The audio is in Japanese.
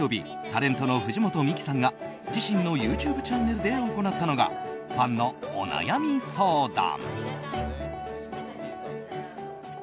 タレントの藤本美貴さんが自身のＹｏｕＴｕｂｅチャンネルで行ったのがファンのお悩み相談。